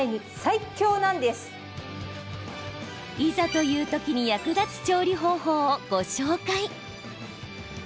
いざというときに役立つ調理方法をご紹介。